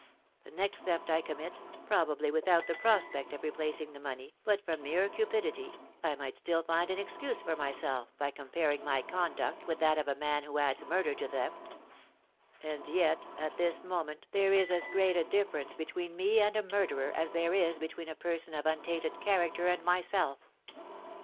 The next theft I commit, probably without the prospect of replacing the money, but from mere cupidity, I might still find an excuse for myself by comparing my conduct with that of a man who adds murder to theft; and yet at this moment there is as great a difference between me and a murderer as there is between a person of untainted character and myself.